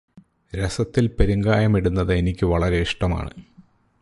രസത്തിൽ പെരുങ്കായം ഇടുന്നത് എനിക്കു വളരെയിഷ്ടമാണ്.